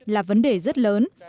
là vấn đề rất lớn